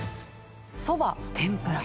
そば天ぷら。